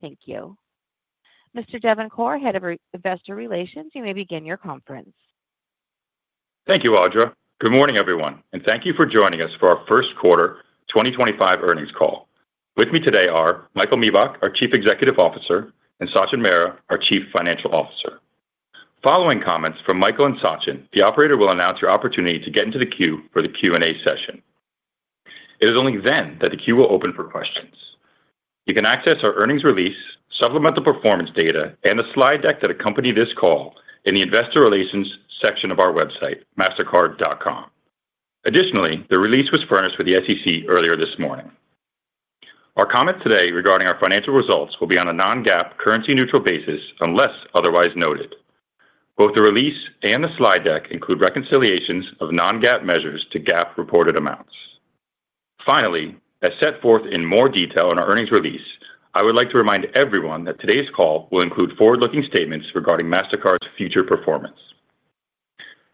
Thank you. Mr. Devin Corr, Head of Investor Relations, you may begin your conference. Thank you, Audra. Good morning, everyone, and thank you for joining us for ourQ1 2025 earnings call. With me today are Michael Miebach, our Chief Executive Officer, and Sachin Mehra, our Chief Financial Officer. Following comments from Michael and Sachin, the operator will announce your opportunity to get into the queue for the Q&A session. It is only then that the queue will open for questions. You can access our earnings release, supplemental performance data, and the slide deck that accompany this call in the Investor Relations section of our website, mastercard.com. Additionally, the release was furnished with the SEC earlier this morning. Our comments today regarding our financial results will be on a non-GAAP currency-neutral basis unless otherwise noted. Both the release and the slide deck include reconciliations of non-GAAP measures to GAAP reported amounts. Finally, as set forth in more detail in our earnings release, I would like to remind everyone that today's call will include forward-looking statements regarding Mastercard's future performance.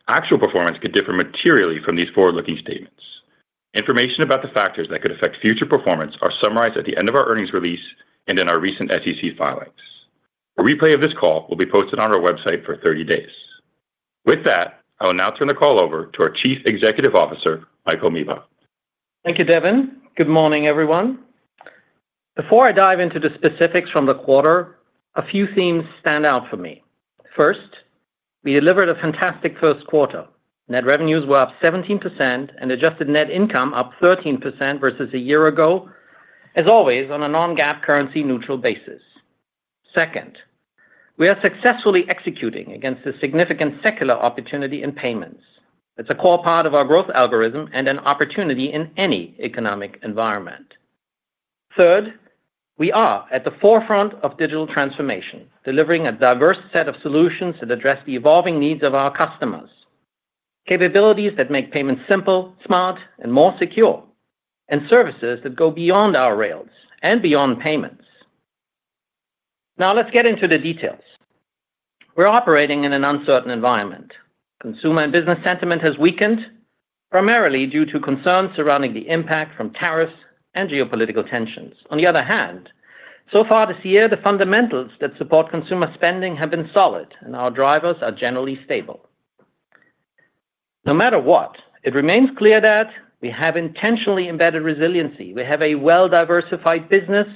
Actual performance could differ materially from these forward-looking statements. Information about the factors that could affect future performance are summarized at the end of our earnings release and in our recent SEC filings. A replay of this call will be posted on our website for 30 days. With that, I will now turn the call over to our Chief Executive Officer, Michael Miebach. Thank you, Devin. Good morning, everyone. Before I dive into the specifics from the quarter, a few themes stand out for me. First, we delivered a fantasticQ1. Net revenues were up 17% and adjusted net income up 13% versus a year ago, as always, on a non-GAAP currency-neutral basis. Second, we are successfully executing against a significant secular opportunity in payments. It's a core part of our growth algorithm and an opportunity in any economic environment. Third, we are at the forefront of digital transformation, delivering a diverse set of solutions that address the evolving needs of our customers: capabilities that make payments simple, smart, and more secure, and services that go beyond our rails and beyond payments. Now, let's get into the details. We're operating in an uncertain environment. Consumer and business sentiment has weakened, primarily due to concerns surrounding the impact from tariffs and geopolitical tensions. On the other hand, so far this year, the fundamentals that support consumer spending have been solid, and our drivers are generally stable. No matter what, it remains clear that we have intentionally embedded resiliency. We have a well-diversified business,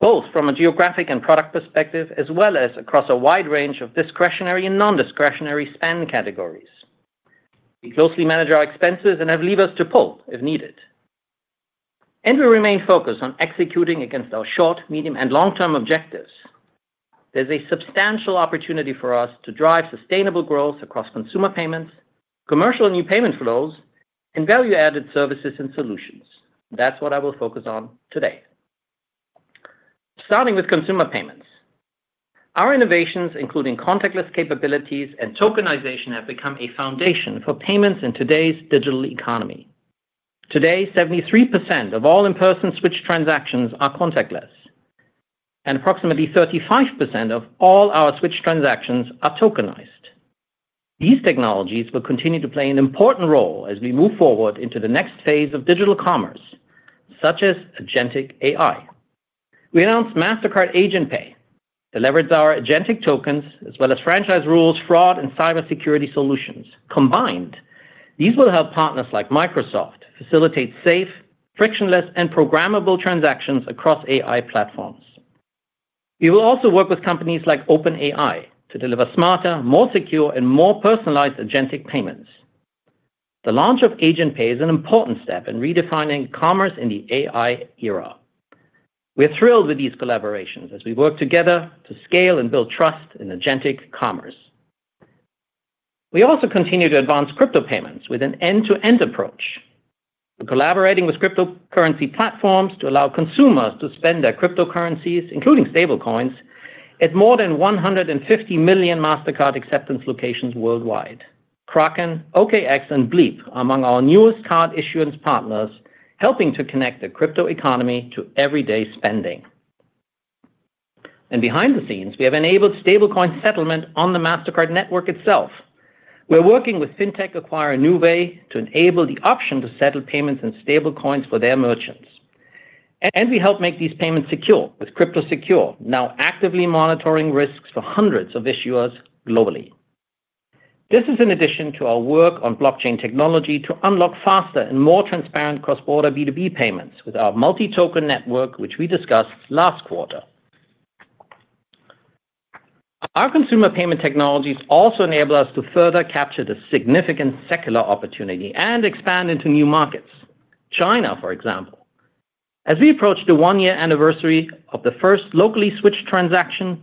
both from a geographic and product perspective, as well as across a wide range of discretionary and non-discretionary spend categories. We closely manage our expenses and have levers to pull if needed. We remain focused on executing against our short, medium, and long-term objectives. There is a substantial opportunity for us to drive sustainable growth across consumer payments, commercial new payment flows, and value-added services and solutions. That is what I will focus on today. Starting with consumer payments, our innovations, including contactless capabilities and tokenization, have become a foundation for payments in today's digital economy. Today, 73% of all in-person switch transactions are contactless, and approximately 35% of all our switch transactions are tokenized. These technologies will continue to play an important role as we move forward into the next phase of digital commerce, such as agentic AI. We announced Mastercard AgentPay that leverages our agentic tokens as well as franchise rules, fraud, and cybersecurity solutions. Combined, these will help partners like Microsoft facilitate safe, frictionless, and programmable transactions across AI platforms. We will also work with companies like OpenAI to deliver smarter, more secure, and more personalized agentic payments. The launch of AgentPay is an important step in redefining commerce in the AI era. We're thrilled with these collaborations as we work together to scale and build trust in agentic commerce. We also continue to advance crypto payments with an end-to-end approach. We're collaborating with cryptocurrency platforms to allow consumers to spend their cryptocurrencies, including stablecoins, at more than 150 million Mastercard acceptance locations worldwide. Kraken, OKX, and Bybit are among our newest card issuance partners, helping to connect the crypto economy to everyday spending. Behind the scenes, we have enabled stablecoin settlement on the Mastercard network itself. We're working with fintech acquirer Nuvei to enable the option to settle payments in stablecoins for their merchants. We help make these payments secure with Crypto Secure, now actively monitoring risks for hundreds of issuers globally. This is in addition to our work on blockchain technology to unlock faster and more transparent cross-border B2B payments with our Multi-Token Network, which we discussed last quarter. Our consumer payment technologies also enable us to further capture the significant secular opportunity and expand into new markets, China, for example. As we approach the one-year anniversary of the first locally switched transaction,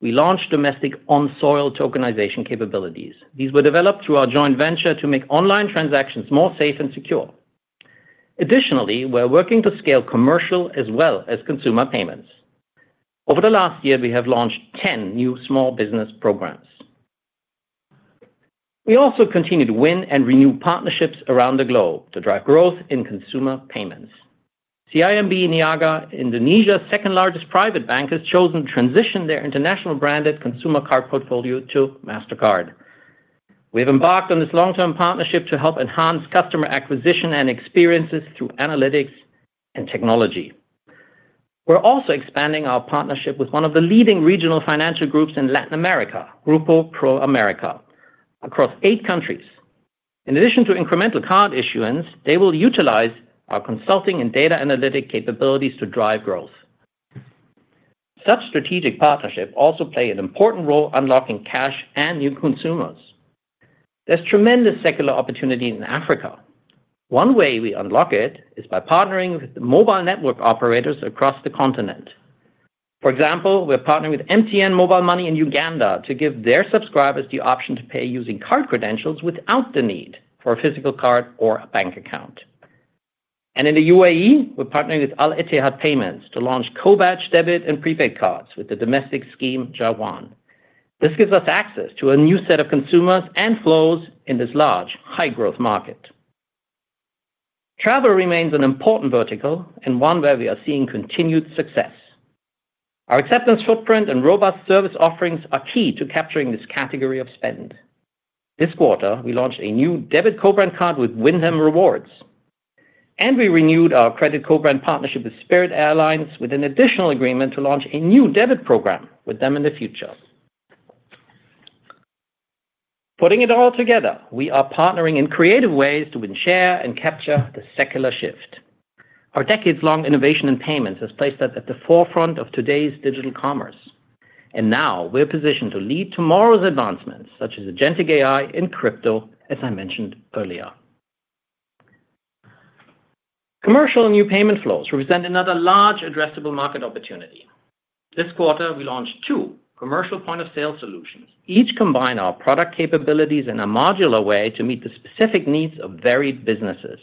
we launched domestic on-soil tokenization capabilities. These were developed through our joint venture to make online transactions more safe and secure. Additionally, we're working to scale commercial as well as consumer payments. Over the last year, we have launched 10 new small business programs. We also continue to win and renew partnerships around the globe to drive growth in consumer payments. CIMB Niaga, Indonesia's second-largest private bank, has chosen to transition their international-branded consumer card portfolio to Mastercard. We have embarked on this long-term partnership to help enhance customer acquisition and experiences through analytics and technology. We're also expanding our partnership with one of the leading regional financial groups in Latin America, Grupo Promerica across eight countries. In addition to incremental card issuance, they will utilize our consulting and data analytic capabilities to drive growth. Such strategic partnerships also play an important role in unlocking cash and new consumers. There's tremendous secular opportunity in Africa. One way we unlock it is by partnering with mobile network operators across the continent. For example, we're partnering with MTN Mobile Money in Uganda to give their subscribers the option to pay using card credentials without the need for a physical card or a bank account. In the UAE, we're partnering with Al Etihad Payments to launch co-badge debit and prepaid cards with the domestic scheme Jawan. This gives us access to a new set of consumers and flows in this large, high-growth market. Travel remains an important vertical and one where we are seeing continued success. Our acceptance footprint and robust service offerings are key to capturing this category of spend. This quarter, we launched a new debit co-brand card with Wyndham Rewards. We renewed our credit co-brand partnership with Spirit Airlines with an additional agreement to launch a new debit program with them in the future. Putting it all together, we are partnering in creative ways to ensure and capture the secular shift. Our decades-long innovation in payments has placed us at the forefront of today's digital commerce. Now we're positioned to lead tomorrow's advancements, such as agentic AI in crypto, as I mentioned earlier. Commercial new payment flows represent another large addressable market opportunity. This quarter, we launched two commercial point-of-sale solutions. Each combines our product capabilities in a modular way to meet the specific needs of varied businesses.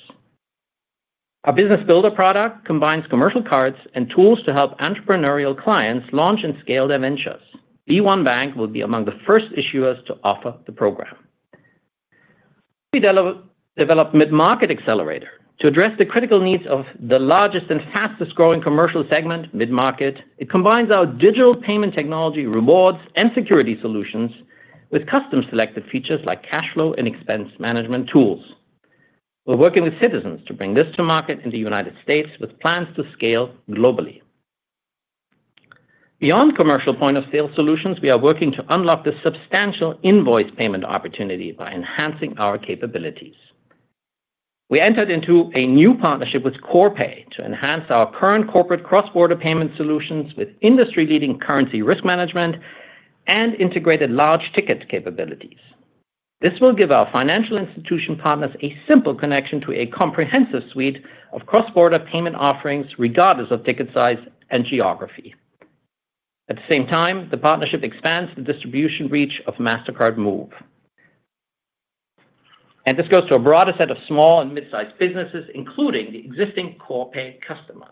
Our Business Builder product combines commercial cards and tools to help entrepreneurial clients launch and scale their ventures. B1Bank will be among the first issuers to offer the program. We developed Mid-Market Accelerator to address the critical needs of the largest and fastest-growing commercial segment, Mid-Market. It combines our digital payment technology, rewards, and security solutions with custom-selected features like cash flow and expense management tools. We're working with Citizens Financial Group to bring this to market in the United States with plans to scale globally. Beyond commercial point-of-sale solutions, we are working to unlock the substantial invoice payment opportunity by enhancing our capabilities. We entered into a new partnership with Corpay to enhance our current corporate cross-border payment solutions with industry-leading currency risk management and integrated large ticket capabilities. This will give our financial institution partners a simple connection to a comprehensive suite of cross-border payment offerings, regardless of ticket size and geography. At the same time, the partnership expands the distribution reach of Mastercard Move. This goes to a broader set of small and mid-sized businesses, including the existing Corpay customers.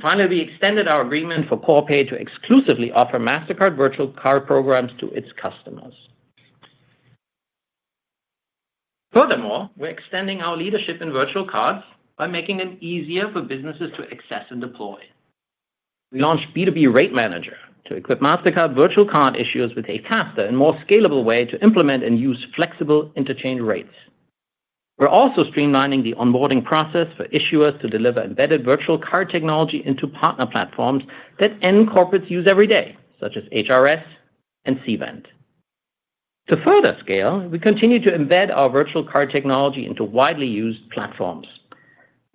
Finally, we extended our agreement for Corpay to exclusively offer Mastercard virtual card programs to its customers. Furthermore, we're extending our leadership in virtual cards by making them easier for businesses to access and deploy. We launched B2B Rate Manager to equip Mastercard virtual card issuers with a faster and more scalable way to implement and use flexible interchange rates. We're also streamlining the onboarding process for issuers to deliver embedded virtual card technology into partner platforms that end corporates use every day, such as HRS and Cvent. To further scale, we continue to embed our virtual card technology into widely used platforms.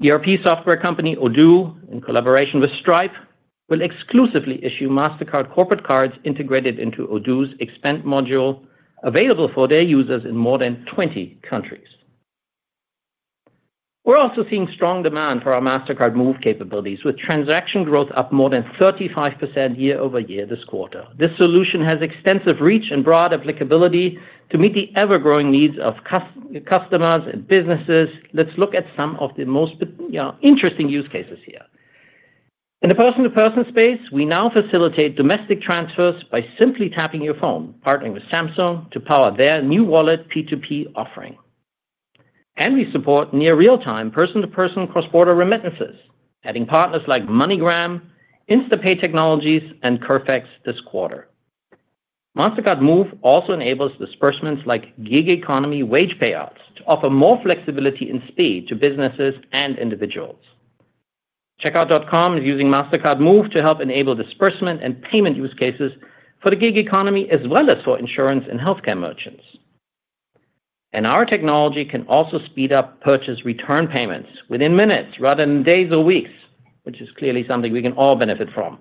ERP software company Odoo, in collaboration with Stripe, will exclusively issue Mastercard corporate cards integrated into Odoo's expense module, available for their users in more than 20 countries. We're also seeing strong demand for our Mastercard Move capabilities, with transaction growth up more than 35% year-over-year this quarter. This solution has extensive reach and broad applicability to meet the ever-growing needs of customers and businesses. Let's look at some of the most interesting use cases here. In the person-to-person space, we now facilitate domestic transfers by simply tapping your phone, partnering with Samsung to power their new wallet P2P offering. We support near-real-time person-to-person cross-border remittances, adding partners like MoneyGram, InstaPay Technologies, and Curvex this quarter. Mastercard Move also enables disbursements like gig economy wage payouts to offer more flexibility and speed to businesses and individuals. Checkout.com is using Mastercard Move to help enable disbursement and payment use cases for the gig economy, as well as for insurance and healthcare merchants. Our technology can also speed up purchase return payments within minutes rather than days or weeks, which is clearly something we can all benefit from.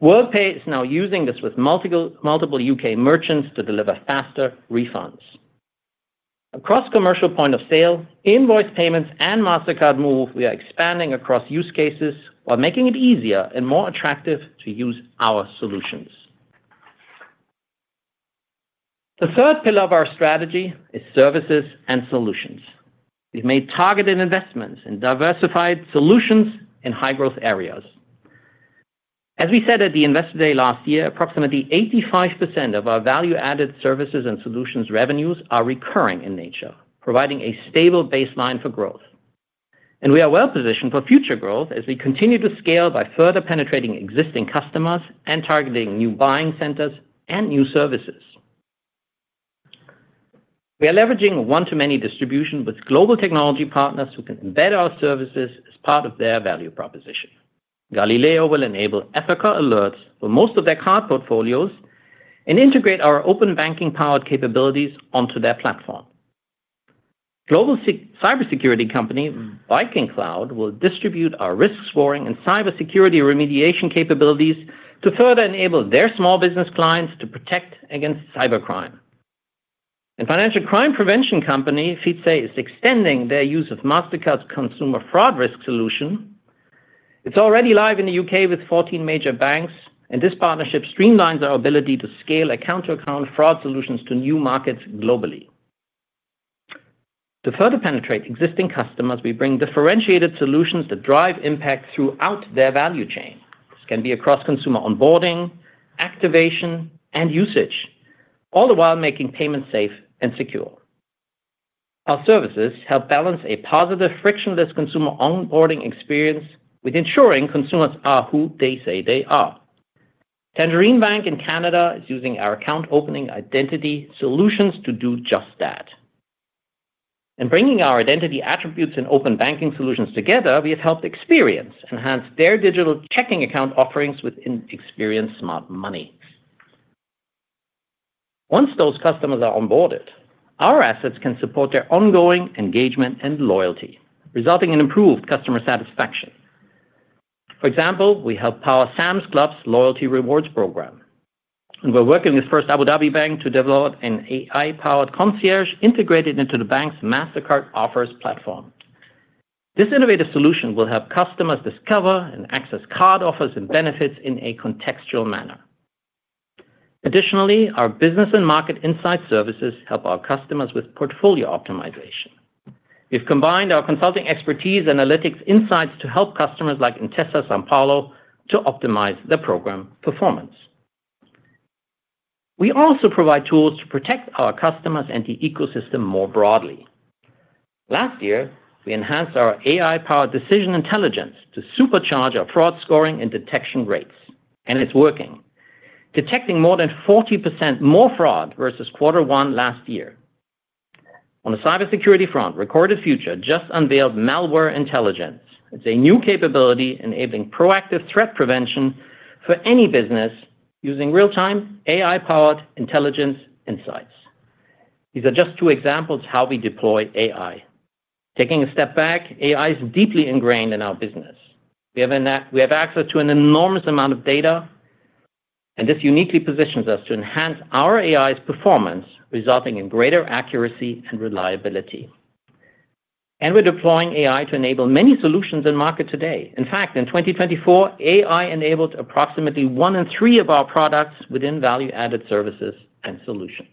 Worldpay is now using this with multiple UK merchants to deliver faster refunds. Across commercial point-of-sale, invoice payments, and Mastercard Move, we are expanding across use cases while making it easier and more attractive to use our solutions. The third pillar of our strategy is services and solutions. We have made targeted investments in diversified solutions in high-growth areas. As we said at the Investor Day last year, approximately 85% of our value-added services and solutions revenues are recurring in nature, providing a stable baseline for growth. We are well-positioned for future growth as we continue to scale by further penetrating existing customers and targeting new buying centers and new services. We are leveraging one-to-many distribution with global technology partners who can embed our services as part of their value proposition. Galileo will enable ethical alerts for most of their card portfolios and integrate our open banking-powered capabilities onto their platform. Global cybersecurity company VikingCloud will distribute our risk scoring and cybersecurity remediation capabilities to further enable their small business clients to protect against cybercrime. Financial crime prevention company Feedzai is extending their use of Mastercard's consumer fraud risk solution. It is already live in the U.K. with 14 major banks, and this partnership streamlines our ability to scale account-to-account fraud solutions to new markets globally. To further penetrate existing customers, we bring differentiated solutions that drive impact throughout their value chain. This can be across consumer onboarding, activation, and usage, all the while making payments safe and secure. Our services help balance a positive frictionless consumer onboarding experience with ensuring consumers are who they say they are. Tangerine Bank in Canada is using our account-opening identity solutions to do just that. Bringing our identity attributes and open banking solutions together, we have helped Experian enhance their digital checking account offerings within Experian Smart Money. Once those customers are onboarded, our assets can support their ongoing engagement and loyalty, resulting in improved customer satisfaction. For example, we help power Sam's Club's loyalty rewards program. We are working with First Abu Dhabi Bank to develop an AI-powered concierge integrated into the bank's Mastercard Offers Platform. This innovative solution will help customers discover and access card offers and benefits in a contextual manner. Additionally, our business and market insight services help our customers with portfolio optimization. We've combined our consulting expertise and analytics insights to help customers like Intesa Sanpaolo to optimize their program performance. We also provide tools to protect our customers and the ecosystem more broadly. Last year, we enhanced our AI-powered decision intelligence to supercharge our fraud scoring and detection rates. It is working, detecting more than 40% more fraud versus quarter one last year. On the cybersecurity front, Recorded Future just unveiled malware intelligence. It is a new capability enabling proactive threat prevention for any business using real-time AI-powered intelligence insights. These are just two examples of how we deploy AI. Taking a step back, AI is deeply ingrained in our business. We have access to an enormous amount of data, and this uniquely positions us to enhance our AI's performance, resulting in greater accuracy and reliability. We are deploying AI to enable many solutions in market today. In fact, in 2024, AI enabled approximately one in three of our products within value-added services and solutions.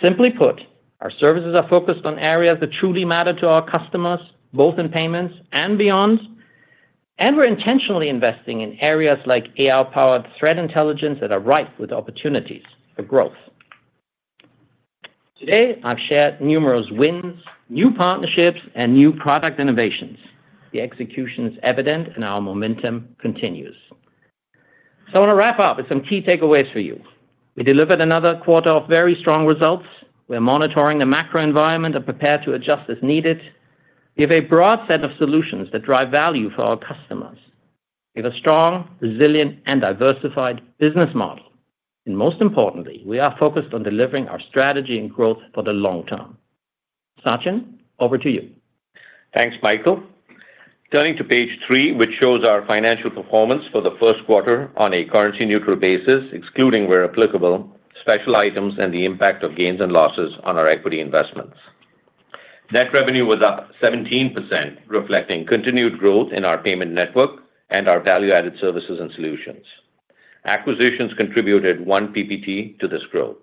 Simply put, our services are focused on areas that truly matter to our customers, both in payments and beyond. We are intentionally investing in areas like AI-powered threat intelligence that are ripe with opportunities for growth. Today, I have shared numerous wins, new partnerships, and new product innovations. The execution is evident, and our momentum continues. I want to wrap up with some key takeaways for you. We delivered another quarter of very strong results. We are monitoring the macro environment and prepared to adjust as needed. We have a broad set of solutions that drive value for our customers. We have a strong, resilient, and diversified business model. Most importantly, we are focused on delivering our strategy and growth for the long term. Sachin, over to you. Thanks, Michael. Turning to page three, which shows our financial performance for the Q1 on a currency-neutral basis, excluding where applicable, special items, and the impact of gains and losses on our equity investments. Net revenue was up 17%, reflecting continued growth in our payment network and our value-added services and solutions. Acquisitions contributed one percentage point to this growth.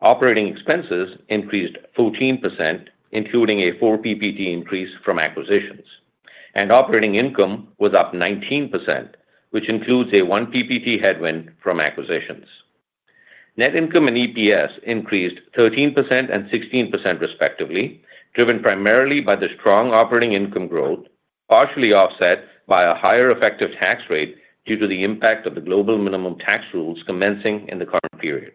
Operating expenses increased 14%, including a four percentage point increase from acquisitions. Operating income was up 19%, which includes a one percentage point headwind from acquisitions. Net income and EPS increased 13% and 16%, respectively, driven primarily by the strong operating income growth, partially offset by a higher effective tax rate due to the impact of the global minimum tax rules commencing in the current period.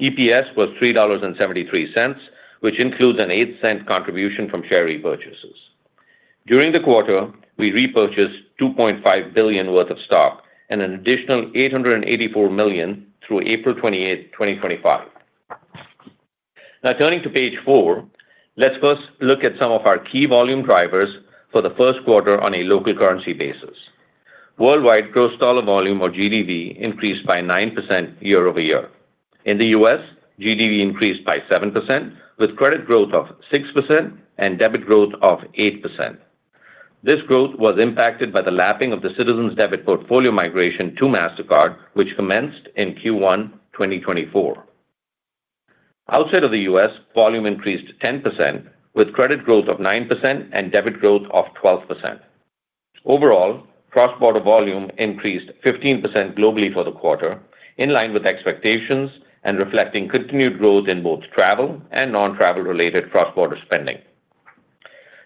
EPS was $3.73, which includes an $0.08 contribution from share repurchases. During the quarter, we repurchased $2.5 billion worth of stock and an additional $884 million through April 28, 2025. Now, turning to page four, let's first look at some of our key volume drivers for theQ1 on a local currency basis. Worldwide, gross dollar volume or GDV increased by 9% year-over-year. In theUS, GDV increased by 7%, with credit growth of 6% and debit growth of 8%. This growth was impacted by the lapping of the Citizens Financial Group debit portfolio migration to Mastercard, which commenced in Q1 2024. Outside of the US, volume increased 10%, with credit growth of 9% and debit growth of 12%. Overall, cross-border volume increased 15% globally for the quarter, in line with expectations and reflecting continued growth in both travel and non-travel-related cross-border spending.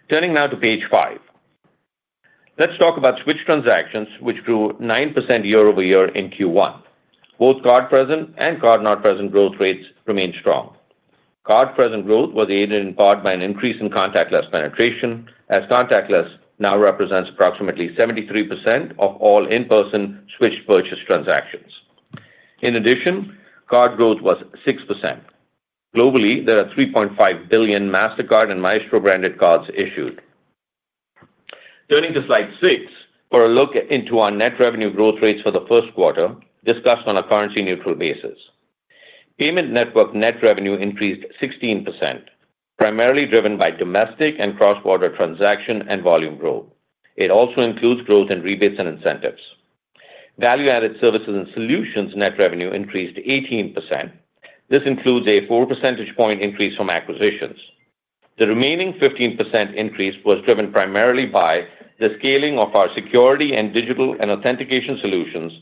Turning now to page five, let's talk about switch transactions, which grew 9% year-over-year in Q1. Both card-present and card-not-present growth rates remained strong. Card-present growth was aided in part by an increase in contactless penetration, as contactless now represents approximately 73% of all in-person switch purchase transactions. In addition, card growth was 6%. Globally, there are 3.5 billion Mastercard and Maestro branded cards issued. Turning to slide six for a look into our net revenue growth rates for theQ1, discussed on a currency-neutral basis. Payment network net revenue increased 16%, primarily driven by domestic and cross-border transaction and volume growth. It also includes growth in rebates and incentives. Value-added services and solutions net revenue increased 18%. This includes a 4 percentage point increase from acquisitions. The remaining 15% increase was driven primarily by the scaling of our security and digital and authentication solutions,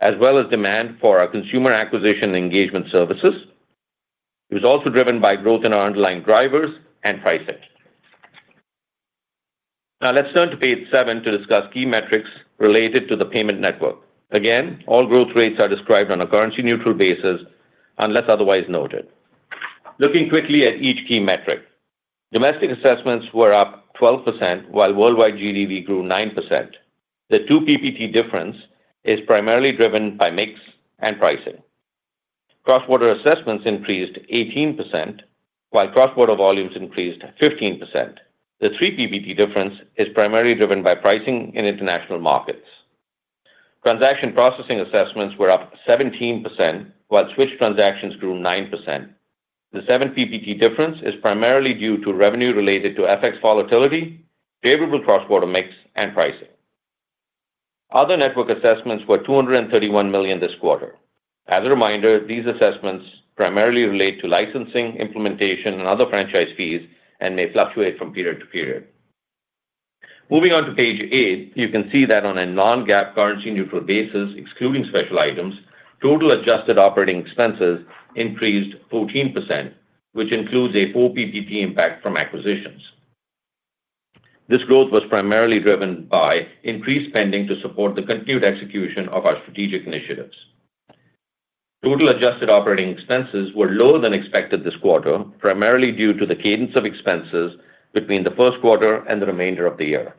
as well as demand for our consumer acquisition engagement services. It was also driven by growth in our underlying drivers and pricing. Now, let's turn to page seven to discuss key metrics related to the payment network. Again, all growth rates are described on a currency-neutral basis unless otherwise noted. Looking quickly at each key metric, domestic assessments were up 12%, while worldwide GDV grew 9%. The two percentage point difference is primarily driven by mix and pricing. Cross-border assessments increased 18%, while cross-border volumes increased 15%. The three percentage point difference is primarily driven by pricing in international markets. Transaction processing assessments were up 17%, while switch transactions grew 9%. The seven percentage point difference is primarily due to revenue related to FX volatility, favorable cross-border mix, and pricing. Other network assessments were $231 million this quarter. As a reminder, these assessments primarily relate to licensing, implementation, and other franchise fees and may fluctuate from period to period. Moving on to page eight, you can see that on a non-GAAP currency-neutral basis, excluding special items, total adjusted operating expenses increased 14%, which includes a 4 percentage point impact from acquisitions. This growth was primarily driven by increased spending to support the continued execution of our strategic initiatives. Total adjusted operating expenses were lower than expected this quarter, primarily due to the cadence of expenses between the Q1 and the remainder of the year.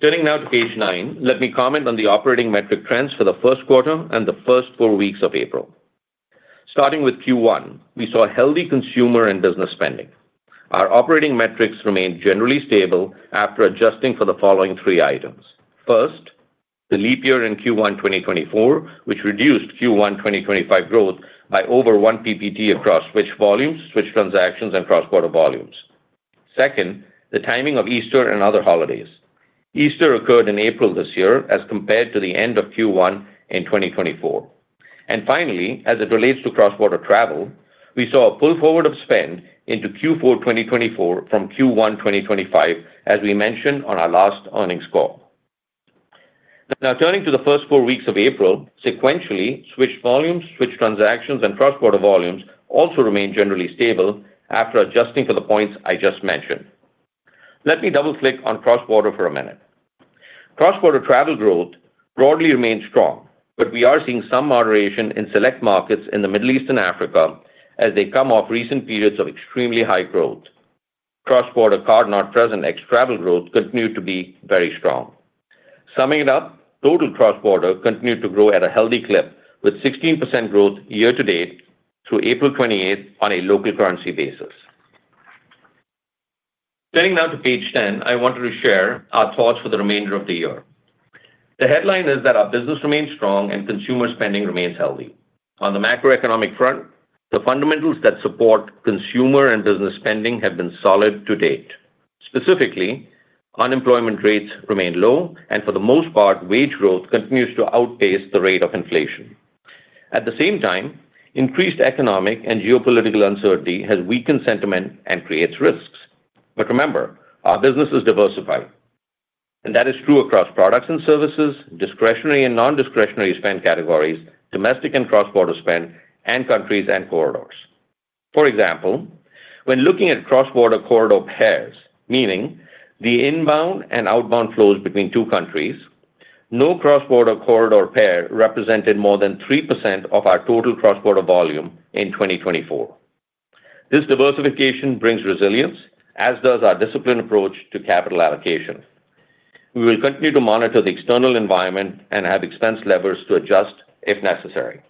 Turning now to page nine, let me comment on the operating metric trends for theQ1 and the first four weeks of April. Starting with Q1, we saw healthy consumer and business spending. Our operating metrics remained generally stable after adjusting for the following three items. First, the leap year in Q1 2024, which reduced Q1 2025 growth by over 1 percentage point across switch volumes, switch transactions, and cross-border volumes. Second, the timing of Easter and other holidays. Easter occurred in April this year as compared to the end of Q1 in 2024. Finally, as it relates to cross-border travel, we saw a pull forward of spend into Q4 2024 from Q1 2025, as we mentioned on our last earnings call. Now, turning to the first four weeks of April, sequentially, switch volumes, switch transactions, and cross-border volumes also remained generally stable after adjusting for the points I just mentioned. Let me double-click on cross-border for a minute. Cross-border travel growth broadly remained strong, but we are seeing some moderation in select markets in the Middle East and Africa as they come off recent periods of extremely high growth. Cross-border card-not-present ex-travel growth continued to be very strong. Summing it up, total cross-border continued to grow at a healthy clip, with 16% growth year-to-date through April 28 on a local currency basis. Turning now to page 10, I wanted to share our thoughts for the remainder of the year. The headline is that our business remains strong and consumer spending remains healthy. On the macroeconomic front, the fundamentals that support consumer and business spending have been solid to date. Specifically, unemployment rates remain low, and for the most part, wage growth continues to outpace the rate of inflation. At the same time, increased economic and geopolitical uncertainty has weakened sentiment and creates risks. Remember, our business is diversified. That is true across products and services, discretionary and non-discretionary spend categories, domestic and cross-border spend, and countries and corridors. For example, when looking at cross-border corridor pairs, meaning the inbound and outbound flows between two countries, no cross-border corridor pair represented more than 3% of our total cross-border volume in 2024. This diversification brings resilience, as does our disciplined approach to capital allocation. We will continue to monitor the external environment and have expense levers to adjust if necessary.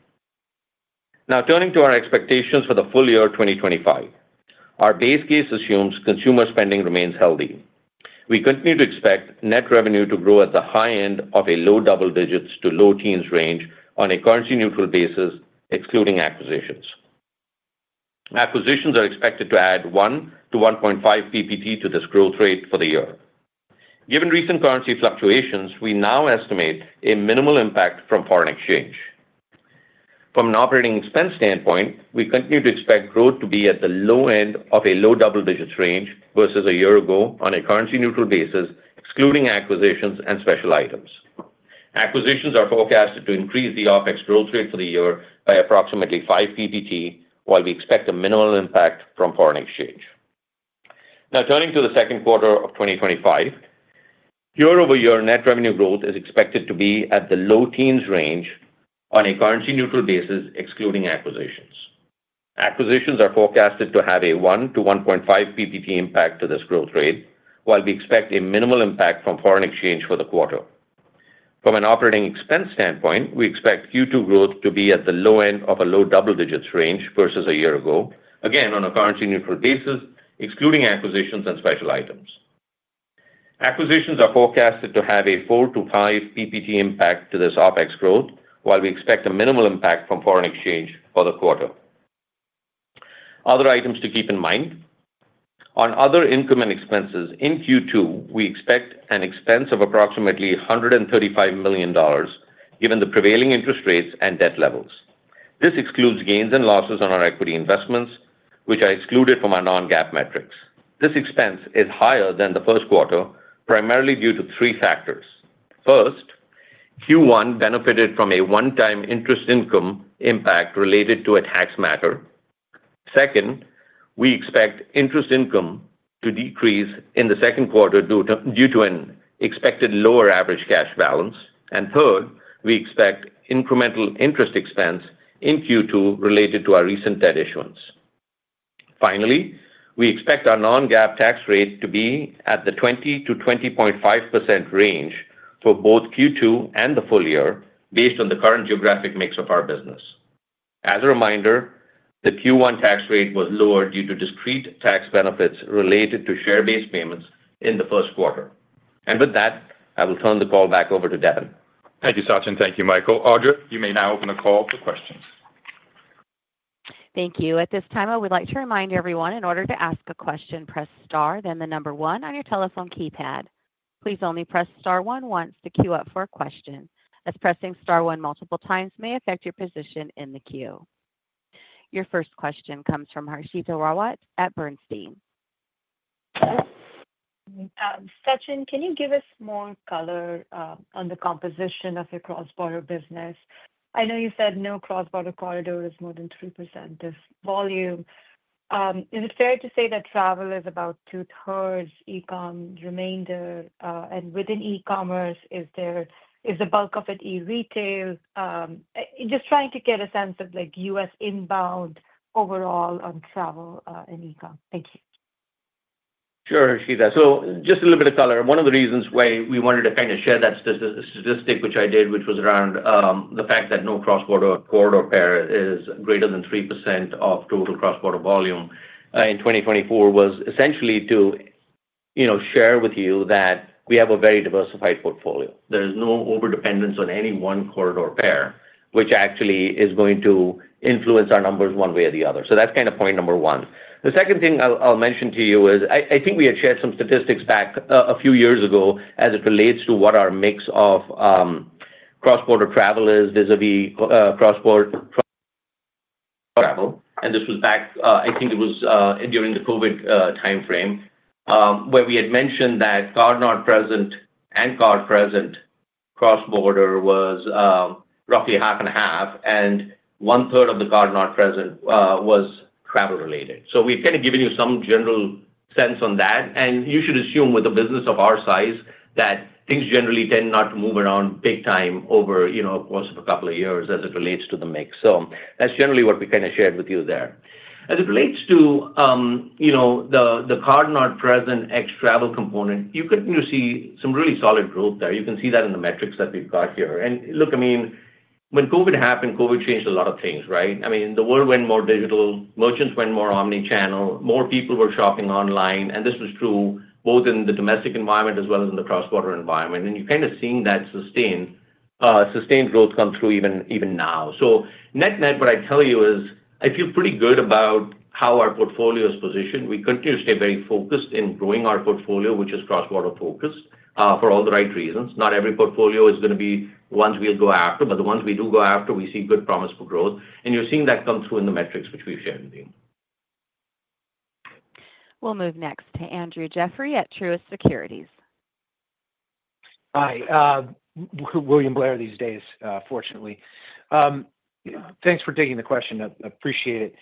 Now, turning to our expectations for the full year 2025, our base case assumes consumer spending remains healthy. We continue to expect net revenue to grow at the high end of a low double digits to low teens range on a currency-neutral basis, excluding acquisitions. Acquisitions are expected to add 1-1.5% to this growth rate for the year. Given recent currency fluctuations, we now estimate a minimal impact from foreign exchange. From an operating expense standpoint, we continue to expect growth to be at the low end of a low double digits range versus a year ago on a currency-neutral basis, excluding acquisitions and special items. Acquisitions are forecasted to increase the operating expense growth rate for the year by approximately 5 percentage points, while we expect a minimal impact from foreign exchange. Now, turning to the Q2 of 2025, year-over-year net revenue growth is expected to be at the low teens range on a currency-neutral basis, excluding acquisitions. Acquisitions are forecasted to have a 1-1.5 percentage point impact to this growth rate, while we expect a minimal impact from foreign exchange for the quarter. From an operating expense standpoint, we expect Q2 growth to be at the low end of a low double digits range versus a year ago, again on a currency-neutral basis, excluding acquisitions and special items. Acquisitions are forecasted to have a 4-5 percentage point impact to this OPEX growth, while we expect a minimal impact from foreign exchange for the quarter. Other items to keep in mind. On other income and expenses, in Q2, we expect an expense of approximately $135 million, given the prevailing interest rates and debt levels. This excludes gains and losses on our equity investments, which are excluded from our non-GAAP metrics. This expense is higher than theQ1, primarily due to three factors. First, Q1 benefited from a one-time interest income impact related to a tax matter. Second, we expect interest income to decrease in the Q2 due to an expected lower average cash balance. Third, we expect incremental interest expense in Q2 related to our recent debt issuance. Finally, we expect our non-GAAP tax rate to be at the 20-20.5% range for both Q2 and the full year, based on the current geographic mix of our business. As a reminder, the Q1 tax rate was lower due to discrete tax benefits related to share-based payments in theQ1. With that, I will turn the call back over to Devin. Thank you, Sachin. Thank you, Michael. Audra, you may now open the call for questions. Thank you. At this time, I would like to remind everyone, in order to ask a question, press star, then the number one on your telephone keypad. Please only press star one once to queue up for a question. Pressing star one multiple times may affect your position in the queue. Your first question comes from Harshita Rawat at Bernstein. Sachin, can you give us more color on the composition of your cross-border business? I know you said no cross-border corridor is more than 3% of volume. Is it fair to say that travel is about two-thirds e-comm remainder? And within e-commerce, is the bulk of it e-retail? Just trying to get a sense of US inbound overall on travel and e-comm. Thank you. Sure, Harshita. Just a little bit of color. One of the reasons why we wanted to kind of share that statistic, which I did, which was around the fact that no cross-border corridor pair is greater than 3% of total cross-border volume in 2024, was essentially to share with you that we have a very diversified portfolio. There is no over-dependence on any one corridor pair, which actually is going to influence our numbers one way or the other. That's kind of point number one. The second thing I'll mention to you is I think we had shared some statistics back a few years ago as it relates to what our mix of cross-border travel is vis-à-vis cross-border travel. This was back, I think it was during the COVID timeframe, where we had mentioned that card-not-present and card-present cross-border was roughly half and half, and one-third of the card-not-present was travel-related. We've kind of given you some general sense on that. You should assume, with a business of our size, that things generally tend not to move around big time over the course of a couple of years as it relates to the mix. That's generally what we kind of shared with you there. As it relates to the card-not-present ex-travel component, you continue to see some really solid growth there. You can see that in the metrics that we've got here. Look, I mean, when COVID happened, COVID changed a lot of things, right? I mean, the world went more digital, merchants went more omnichannel, more people were shopping online. This was true both in the domestic environment as well as in the cross-border environment. You're kind of seeing that sustained growth come through even now. Net-net, what I'd tell you is I feel pretty good about how our portfolio is positioned. We continue to stay very focused in growing our portfolio, which is cross-border focused for all the right reasons. Not every portfolio is going to be ones we'll go after, but the ones we do go after, we see good promise for growth. You're seeing that come through in the metrics, which we've shared with you. We'll move next to Andrew Jeffrey at Truist Securities. Hi. William Blair these days, fortunately. Thanks for taking the question. I appreciate it.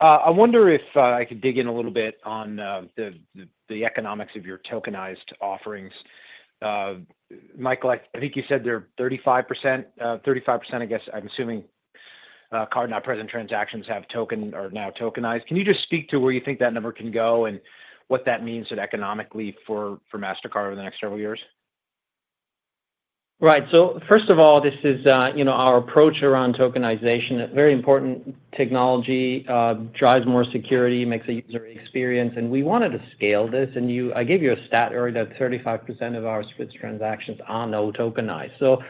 I wonder if I could dig in a little bit on the economics of your tokenized offerings. Michael, I think you said they're 35%, 35%, I guess I'm assuming card-not-present transactions have token or now tokenized. Can you just speak to where you think that number can go and what that means economically for Mastercard over the next several years? Right. First of all, this is our approach around tokenization. Very important technology drives more security, makes a user experience. We wanted to scale this. I gave you a stat earlier that 35% of our switch transactions are now tokenized.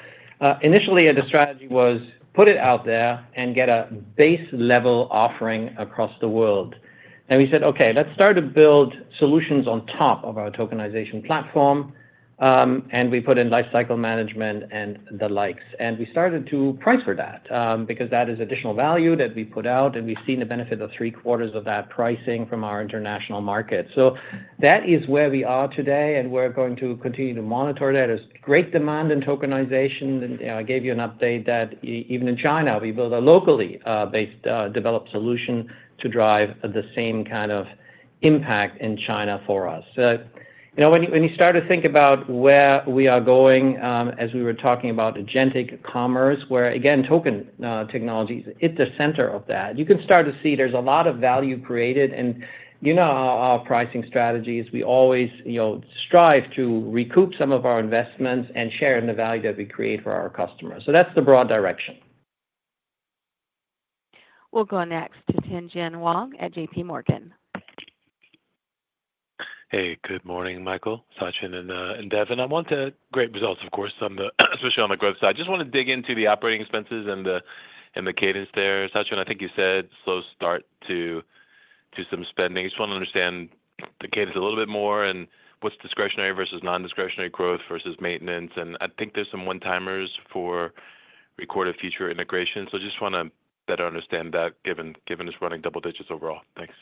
Initially, the strategy was put it out there and get a base-level offering across the world. We said, "Okay, let's start to build solutions on top of our tokenization platform." We put in lifecycle management and the likes. We started to price for that because that is additional value that we put out. We have seen the benefit of three-quarters of that pricing from our international market. That is where we are today. We are going to continue to monitor that. There is great demand in tokenization. I gave you an update that even in China, we built a locally-based developed solution to drive the same kind of impact in China for us. When you start to think about where we are going, as we were talking about agentic commerce, where, again, token technology is at the center of that, you can start to see there is a lot of value created. Our pricing strategies, we always strive to recoup some of our investments and share in the value that we create for our customers. That is the broad direction. We'll go next to Tin Jian Wang at JPMorgan. Hey, good morning, Michael, Sachin, and Devin. I want to great results, of course, especially on the growth side. Just want to dig into the operating expenses and the cadence there. Sachin, I think you said slow start to some spending. I just want to understand the cadence a little bit more and what is discretionary versus non-discretionary growth versus maintenance. I think there are some one-timers for Recorded Future integration. I just want to better understand that given it is running double digits overall. Thanks.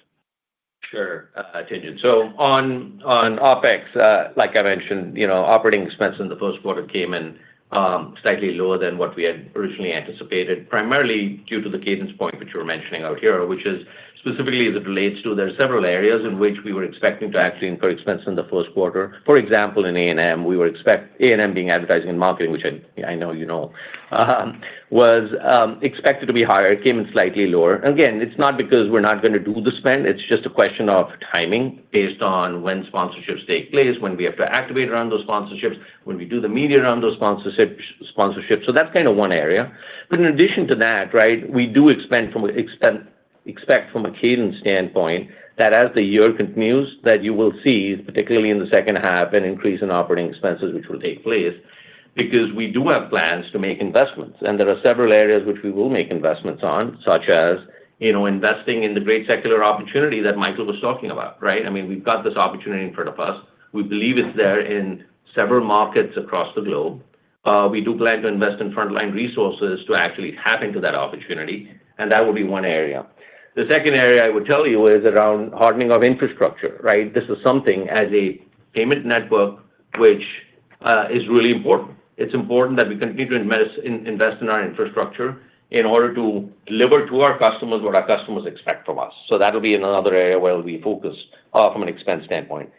Sure, Tin Jian. On OPEX, like I mentioned, operating expense in theQ1 came in slightly lower than what we had originally anticipated, primarily due to the cadence point which you were mentioning out here, which is specifically as it relates to there are several areas in which we were expecting to actually incur expense in theQ1. For example, in A&M, we were expecting A&M being advertising and marketing, which I know you know, was expected to be higher. It came in slightly lower. Again, it's not because we're not going to do the spend. It's just a question of timing based on when sponsorships take place, when we have to activate around those sponsorships, when we do the media around those sponsorships. That's kind of one area. In addition to that, right, we do expect from a cadence standpoint that as the year continues, that you will see, particularly in the second half, an increase in operating expenses, which will take place because we do have plans to make investments. There are several areas which we will make investments on, such as investing in the great secular opportunity that Michael was talking about, right? I mean, we've got this opportunity in front of us. We believe it's there in several markets across the globe. We do plan to invest in frontline resources to actually tap into that opportunity. That would be one area. The second area I would tell you is around hardening of infrastructure, right? This is something as a payment network, which is really important. It's important that we continue to invest in our infrastructure in order to deliver to our customers what our customers expect from us. That will be another area where we focus from an expense standpoint.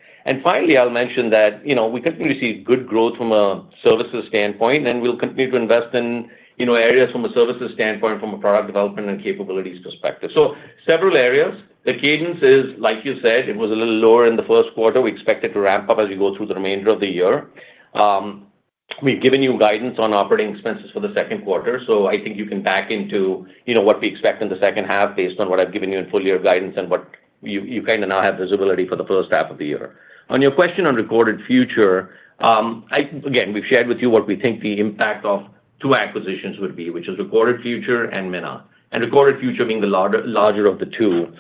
Finally, I'll mention that we continue to see good growth from a services standpoint, and we'll continue to invest in areas from a services standpoint, from a product development and capabilities perspective. Several areas. The cadence is, like you said, it was a little lower in the Q1. We expect it to ramp up as we go through the remainder of the year. We've given you guidance on operating expenses for the Q2. I think you can back into what we expect in the second half based on what I've given you in full year guidance and what you kind of now have visibility for the first half of the year. On your question on Recorded Future, again, we've shared with you what we think the impact of two acquisitions would be, which is Recorded Future and Minna. And Recorded Future being the larger of the two.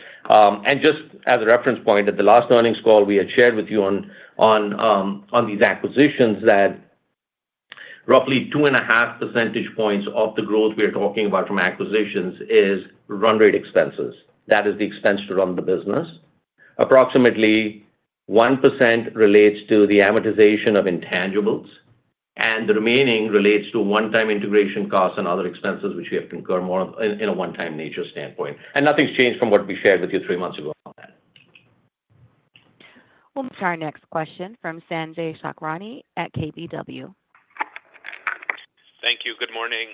Just as a reference point, at the last earnings call, we had shared with you on these acquisitions that roughly two and a half percentage points of the growth we're talking about from acquisitions is run rate expenses. That is the expense to run the business. Approximately 1% relates to the amortization of intangibles, and the remaining relates to one-time integration costs and other expenses, which we have to incur more in a one-time nature standpoint. Nothing's changed from what we shared with you three months ago on that. We'll move to our next question from Sanjay Sakhrani at KBW. Thank you. Good morning.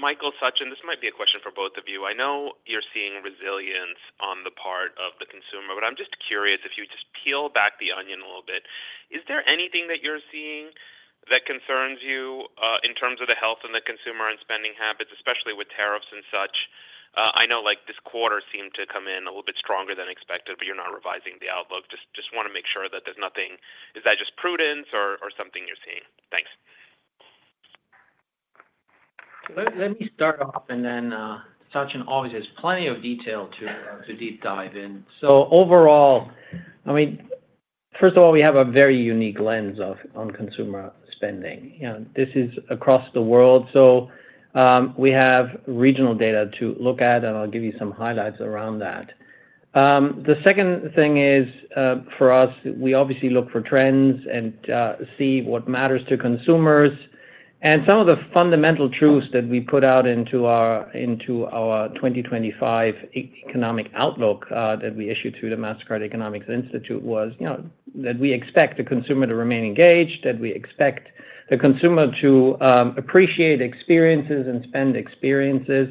Michael, Sachin, this might be a question for both of you. I know you're seeing resilience on the part of the consumer, but I'm just curious if you just peel back the onion a little bit. Is there anything that you're seeing that concerns you in terms of the health and the consumer and spending habits, especially with tariffs and such? I know this quarter seemed to come in a little bit stronger than expected, but you're not revising the outlook. Just want to make sure that there's nothing—is that just prudence or something you're seeing? Thanks. Let me start off, and then Sachin always has plenty of detail to deep dive in. Overall, I mean, first of all, we have a very unique lens on consumer spending. This is across the world. We have regional data to look at, and I'll give you some highlights around that. The second thing is, for us, we obviously look for trends and see what matters to consumers. Some of the fundamental truths that we put out into our 2025 economic outlook that we issued through the Mastercard Economics Institute was that we expect the consumer to remain engaged, that we expect the consumer to appreciate experiences and spend experiences.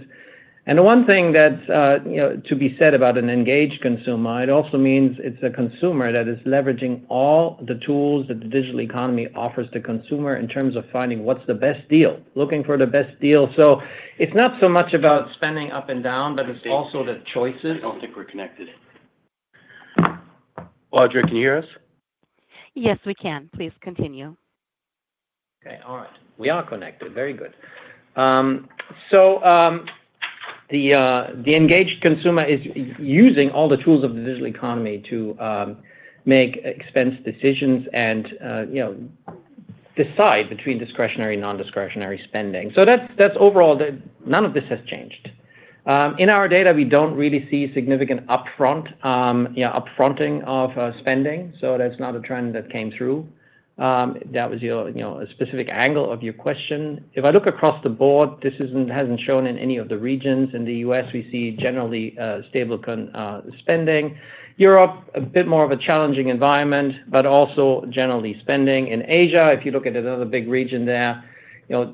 The one thing that's to be said about an engaged consumer, it also means it's a consumer that is leveraging all the tools that the digital economy offers the consumer in terms of finding what's the best deal, looking for the best deal. It's not so much about spending up and down, but it's also the choices. I don't think we're connected. Audra, can you hear us? Yes, we can. Please continue. Okay. All right. We are connected. Very good. The engaged consumer is using all the tools of the digital economy to make expense decisions and decide between discretionary and non-discretionary spending. Overall, none of this has changed. In our data, we don't really see significant upfronting of spending. That's not a trend that came through. That was a specific angle of your question. If I look across the board, this has not shown in any of the regions. In the US, we see generally stable spending. Europe, a bit more of a challenging environment, but also generally spending. In Asia, if you look at another big region there,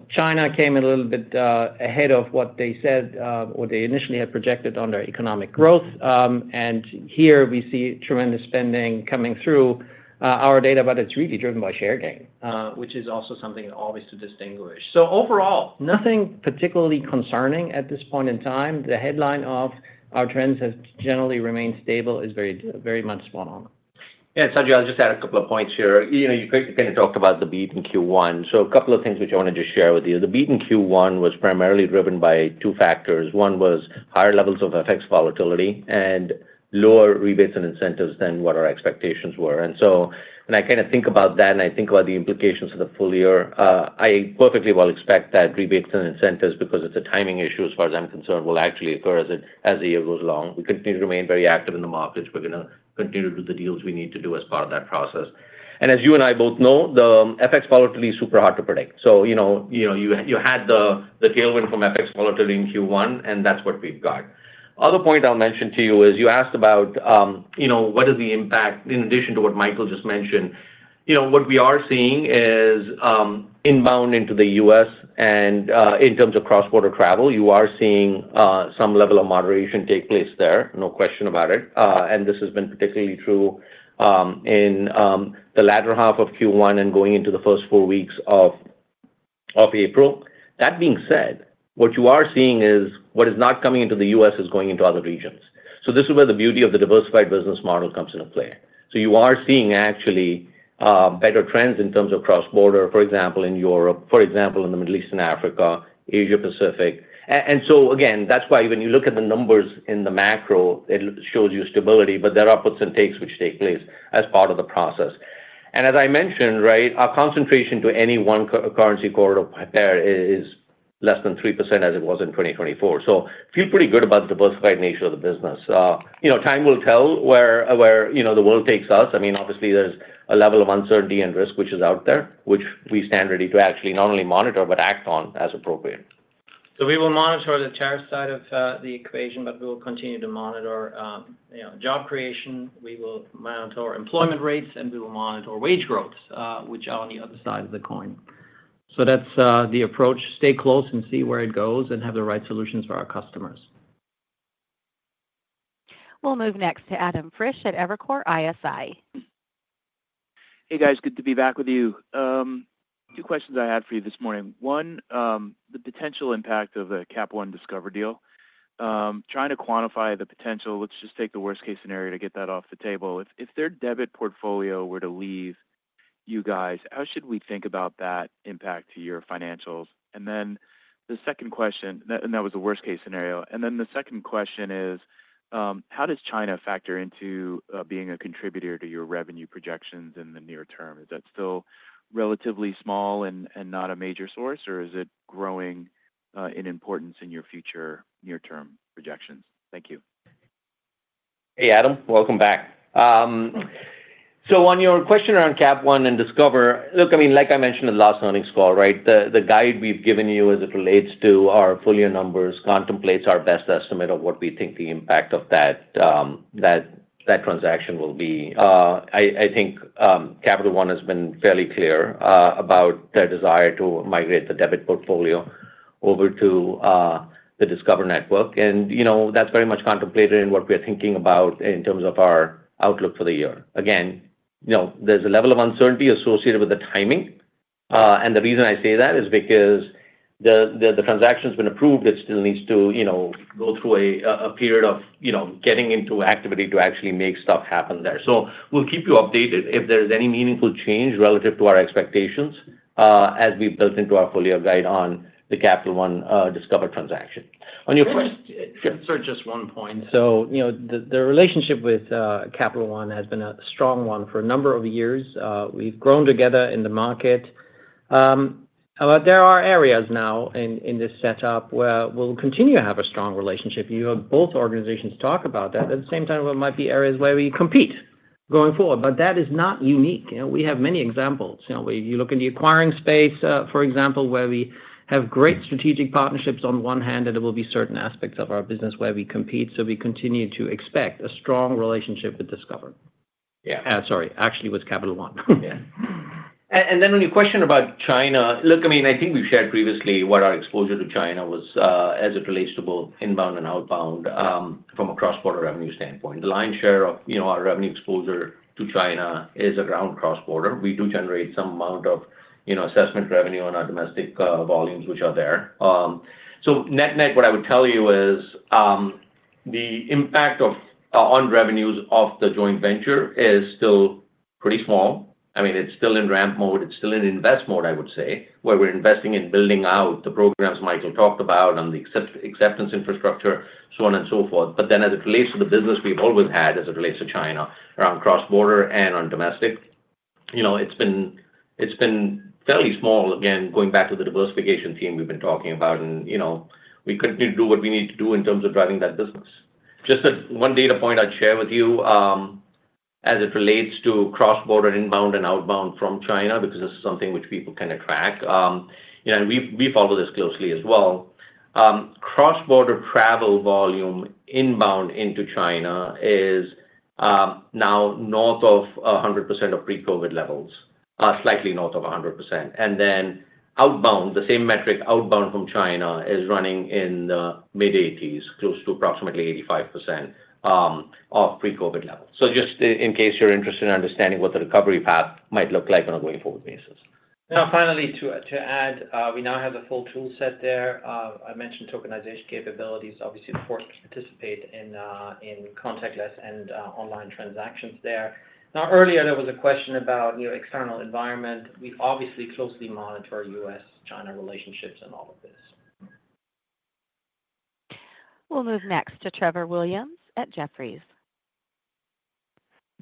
China came a little bit ahead of what they said or they initially had projected on their economic growth. Here, we see tremendous spending coming through our data, but it is really driven by share gain, which is also something always to distinguish. Overall, nothing particularly concerning at this point in time. The headline of our trends has generally remained stable, is very much spot on. Yeah. Sanjay, I will just add a couple of points here. You kind of talked about the beat in Q1. A couple of things which I wanted to share with you. The beat in Q1 was primarily driven by two factors. One was higher levels of FX volatility and lower rebates and incentives than what our expectations were. When I kind of think about that and I think about the implications of the full year, I perfectly well expect that rebates and incentives, because it's a timing issue as far as I'm concerned, will actually occur as the year goes along. We continue to remain very active in the markets. We're going to continue to do the deals we need to do as part of that process. As you and I both know, the FX volatility is super hard to predict. You had the tailwind from FX volatility in Q1, and that's what we've got. Other point I'll mention to you is you asked about what is the impact, in addition to what Michael just mentioned. What we are seeing is inbound into theUS and in terms of cross-border travel, you are seeing some level of moderation take place there, no question about it. This has been particularly true in the latter half of Q1 and going into the first four weeks of April. That being said, what you are seeing is what is not coming into theUS is going into other regions. This is where the beauty of the diversified business model comes into play. You are seeing actually better trends in terms of cross-border, for example, in Europe, for example, in the Middle East and Africa, Asia-Pacific. Again, that's why when you look at the numbers in the macro, it shows you stability, but there are ups and takes which take place as part of the process. As I mentioned, our concentration to any one currency quarter pair is less than 3% as it was in 2024. I feel pretty good about the diversified nature of the business. Time will tell where the world takes us. I mean, obviously, there is a level of uncertainty and risk which is out there, which we stand ready to actually not only monitor but act on as appropriate. We will monitor the tariff side of the equation, but we will continue to monitor job creation. We will monitor employment rates, and we will monitor wage growth, which are on the other side of the coin. That is the approach. Stay close and see where it goes and have the right solutions for our customers. We'll move next to Adam Frisch at Evercore ISI. Hey, guys. Good to be back with you. Two questions I had for you this morning. One, the potential impact of a Cap One Discover deal. Trying to quantify the potential. Let's just take the worst-case scenario to get that off the table. If their debit portfolio were to leave you guys, how should we think about that impact to your financials? The second question—and that was the worst-case scenario. The second question is, how does China factor into being a contributor to your revenue projections in the near term? Is that still relatively small and not a major source, or is it growing in importance in your future near-term projections? Thank you. Hey, Adam. Welcome back. On your question around Cap One and Discover, look, I mean, like I mentioned at last earnings call, right, the guide we've given you as it relates to our full year numbers contemplates our best estimate of what we think the impact of that transaction will be. I think Capital One has been fairly clear about their desire to migrate the debit portfolio over to the Discover network. That is very much contemplated in what we're thinking about in terms of our outlook for the year. Again, there is a level of uncertainty associated with the timing. The reason I say that is because the transaction's been approved. It still needs to go through a period of getting into activity to actually make stuff happen there. We'll keep you updated if there's any meaningful change relative to our expectations as we've built into our full year guide on the Capital One Discover transaction. On your question—sorry, just one point. The relationship with Capital One has been a strong one for a number of years. We've grown together in the market. There are areas now in this setup where we'll continue to have a strong relationship. You have both organizations talk about that. At the same time, there might be areas where we compete going forward, but that is not unique. We have many examples. You look in the acquiring space, for example, where we have great strategic partnerships on one hand, and there will be certain aspects of our business where we compete. We continue to expect a strong relationship with Discover. Yeah. Sorry. Actually, with Capital One. Yeah. On your question about China, look, I mean, I think we've shared previously what our exposure to China was as it relates to both inbound and outbound from a cross-border revenue standpoint. The lion's share of our revenue exposure to China is around cross-border. We do generate some amount of assessment revenue on our domestic volumes, which are there. Net-net, what I would tell you is the impact on revenues of the joint venture is still pretty small. I mean, it's still in ramp mode. It's still in invest mode, I would say, where we're investing in building out the programs Michael talked about on the acceptance infrastructure, so on and so forth. As it relates to the business we've always had as it relates to China around cross-border and on domestic, it's been fairly small, again, going back to the diversification theme we've been talking about. We continue to do what we need to do in terms of driving that business. Just one data point I'd share with you as it relates to cross-border inbound and outbound from China, because this is something which people can track. We follow this closely as well. Cross-border travel volume inbound into China is now north of 100% of pre-COVID levels, slightly north of 100%. The same metric outbound from China is running in the mid-80s, close to approximately 85% of pre-COVID levels. Just in case you're interested in understanding what the recovery path might look like on a going forward basis. Now, finally, to add, we now have the full toolset there. I mentioned tokenization capabilities, obviously, forced to participate in contactless and online transactions there. Now, earlier, there was a question about your external environment. We obviously closely monitor US-China relationships and all of this. We'll move next to Trevor Williams at Jefferies.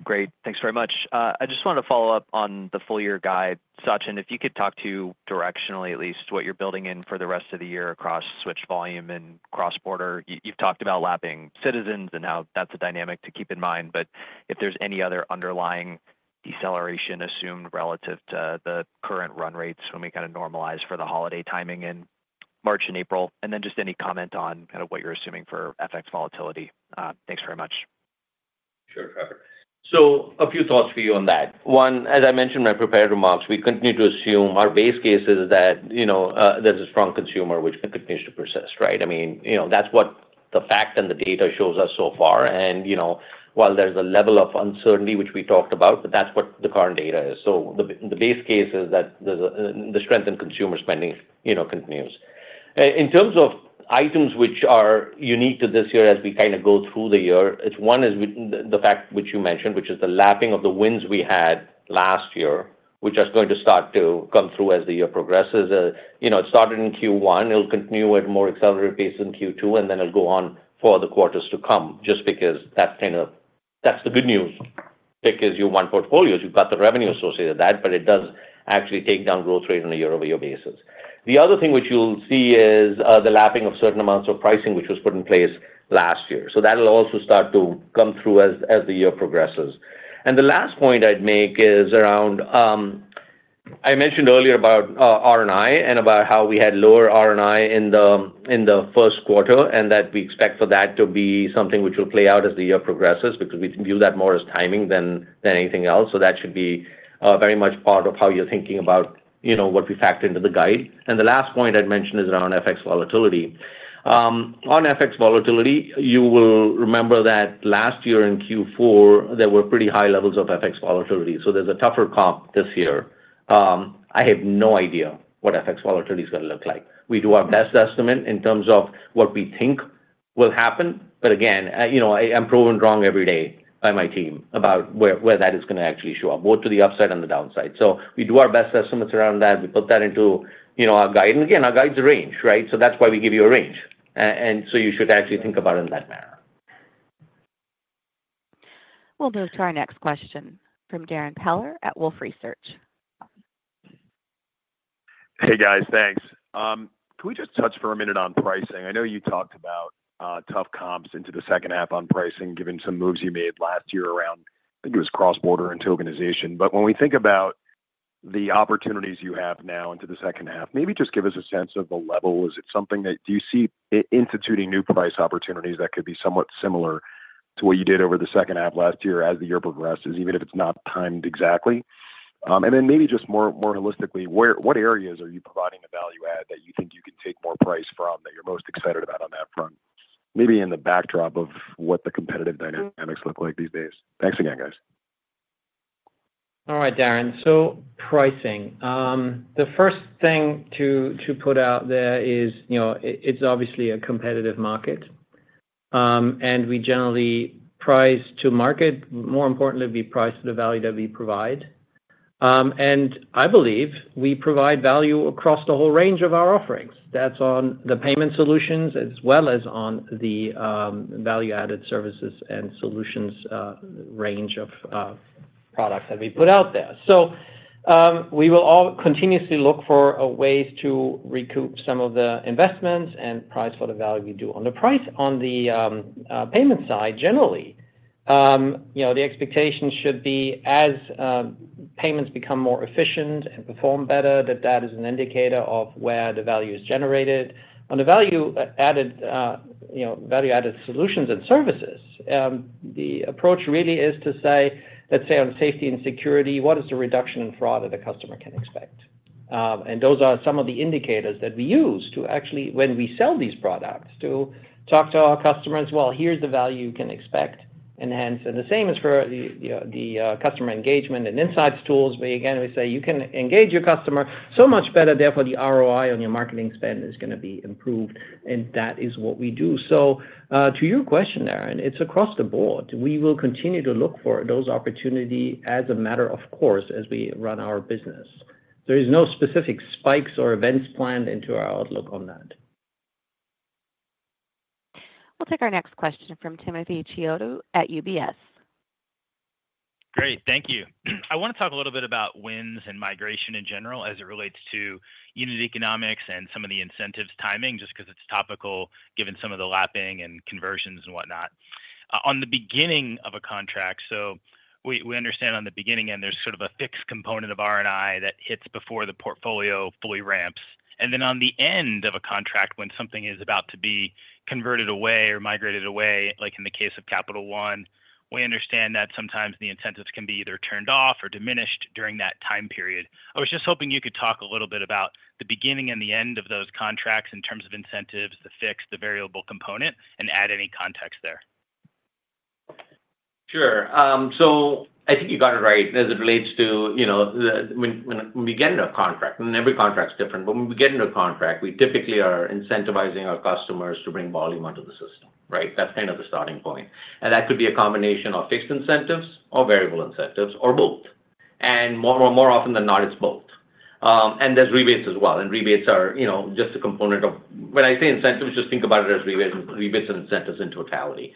Great. Thanks very much. I just wanted to follow up on the full year guide. Sachin, if you could talk to directionally, at least, what you're building in for the rest of the year across switch volume and cross-border. You've talked about lapping Citizens and how that's a dynamic to keep in mind, but if there's any other underlying deceleration assumed relative to the current run rates when we kind of normalize for the holiday timing in March and April, and then just any comment on kind of what you're assuming for FX volatility. Thanks very much. Sure, Trevor. A few thoughts for you on that. One, as I mentioned in my prepared remarks, we continue to assume our base case is that there's a strong consumer which continues to persist, right? I mean, that's what the fact and the data shows us so far. While there's a level of uncertainty which we talked about, that's what the current data is. The base case is that the strength in consumer spending continues. In terms of items which are unique to this year as we kind of go through the year, one is the fact which you mentioned, which is the lapping of the wins we had last year, which are going to start to come through as the year progresses. It started in Q1. It'll continue at a more accelerated pace in Q2, and then it'll go on for the quarters to come, just because that's the good news. Because you want portfolios, you've got the revenue associated with that, but it does actually take down growth rate on a year-over-year basis. The other thing which you'll see is the lapping of certain amounts of pricing which was put in place last year. That'll also start to come through as the year progresses. The last point I'd make is around I mentioned earlier about R&I and about how we had lower R&I in theQ1 and that we expect for that to be something which will play out as the year progresses because we view that more as timing than anything else. That should be very much part of how you're thinking about what we factor into the guide. The last point I'd mention is around FX volatility. On FX volatility, you will remember that last year in Q4, there were pretty high levels of FX volatility. There is a tougher comp this year. I have no idea what FX volatility is going to look like. We do our best estimate in terms of what we think will happen, but again, I'm proven wrong every day by my team about where that is going to actually show up, both to the upside and the downside. We do our best estimates around that. We put that into our guide. Our guides are a range, right? That is why we give you a range. You should actually think about it in that manner. We'll move to our next question from Darrin Peller at Wolfe Research. Hey, guys. Thanks. Can we just touch for a minute on pricing? I know you talked about tough comps into the second half on pricing, given some moves you made last year around, I think it was cross-border and tokenization. When we think about the opportunities you have now into the second half, maybe just give us a sense of the level. Is it something that you see instituting new price opportunities that could be somewhat similar to what you did over the second half last year as the year progresses, even if it's not timed exactly? Maybe just more holistically, what areas are you providing a value add that you think you can take more price from that you're most excited about on that front, maybe in the backdrop of what the competitive dynamics look like these days? Thanks again, guys. All right, Darrin. So pricing. The first thing to put out there is it's obviously a competitive market, and we generally price to market. More importantly, we price to the value that we provide. I believe we provide value across the whole range of our offerings. That's on the payment solutions as well as on the value-added services and solutions range of products that we put out there. We will continuously look for ways to recoup some of the investments and price for the value we do on the price. On the payment side, generally, the expectation should be as payments become more efficient and perform better, that that is an indicator of where the value is generated. On the value-added solutions and services, the approach really is to say, let's say, on safety and security, what is the reduction in fraud that the customer can expect? Those are some of the indicators that we use when we sell these products to talk to our customers, "Well, here's the value you can expect." The same is for the customer engagement and insights tools. Again, we say, "You can engage your customer so much better. Therefore, the ROI on your marketing spend is going to be improved." That is what we do. To your question, Darrin, it's across the board. We will continue to look for those opportunities as a matter of course as we run our business. There are no specific spikes or events planned into our outlook on that. We'll take our next question from Timothy Chiodo at UBS. Great. Thank you. I want to talk a little bit about wins and migration in general as it relates to unit economics and some of the incentives timing, just because it's topical given some of the lapping and conversions and whatnot. On the beginning of a contract, so we understand on the beginning end, there's sort of a fixed component of R&I that hits before the portfolio fully ramps. Then on the end of a contract, when something is about to be converted away or migrated away, like in the case of Capital One, we understand that sometimes the incentives can be either turned off or diminished during that time period. I was just hoping you could talk a little bit about the beginning and the end of those contracts in terms of incentives, the fixed, the variable component, and add any context there. Sure. I think you got it right as it relates to when we get into a contract, and every contract's different, but when we get into a contract, we typically are incentivizing our customers to bring volume onto the system, right? That's kind of the starting point. That could be a combination of fixed incentives or variable incentives or both. More often than not, it's both. There's rebates as well. Rebates are just a component of when I say incentives, just think about it as rebates and incentives in totality.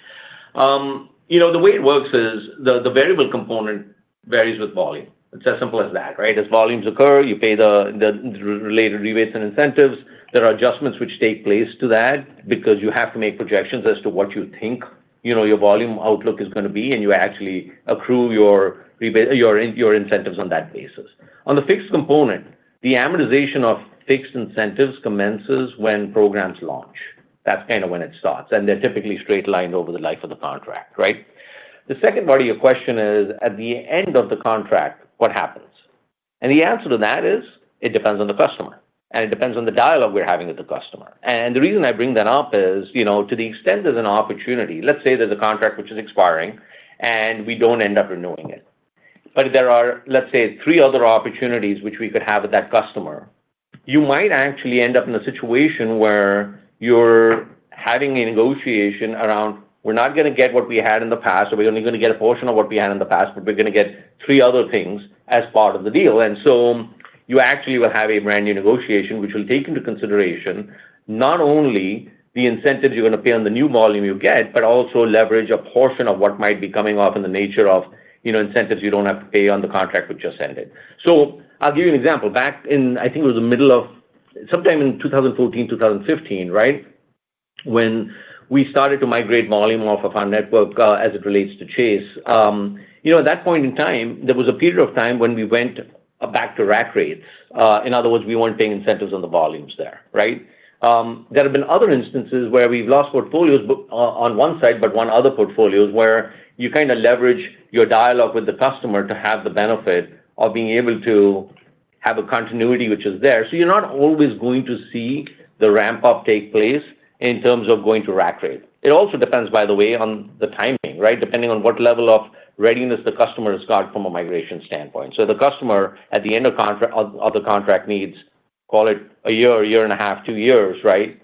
The way it works is the variable component varies with volume. It's as simple as that, right? As volumes occur, you pay the related rebates and incentives. There are adjustments which take place to that because you have to make projections as to what you think your volume outlook is going to be, and you actually accrue your incentives on that basis. On the fixed component, the amortization of fixed incentives commences when programs launch. That is kind of when it starts. They are typically straight lined over the life of the contract, right? The second part of your question is, at the end of the contract, what happens? The answer to that is it depends on the customer. It depends on the dialogue we are having with the customer. The reason I bring that up is to the extent there's an opportunity—let's say there's a contract which is expiring and we don't end up renewing it, but there are, let's say, three other opportunities which we could have with that customer—you might actually end up in a situation where you're having a negotiation around, "We're not going to get what we had in the past, or we're only going to get a portion of what we had in the past, but we're going to get three other things as part of the deal." You actually will have a brand new negotiation which will take into consideration not only the incentives you're going to pay on the new volume you get, but also leverage a portion of what might be coming off in the nature of incentives you don't have to pay on the contract which you're sending. I'll give you an example. Back in, I think it was the middle of sometime in 2014, 2015, right, when we started to migrate volume off of our network as it relates to Chase. At that point in time, there was a period of time when we went back to rack rates. In other words, we weren't paying incentives on the volumes there, right? There have been other instances where we've lost portfolios on one side, but won other portfolios where you kind of leverage your dialogue with the customer to have the benefit of being able to have a continuity which is there. You're not always going to see the ramp-up take place in terms of going to rack rate. It also depends, by the way, on the timing, right, depending on what level of readiness the customer has got from a migration standpoint. The customer, at the end of the contract, needs—call it a year, a year and a half, two years, right?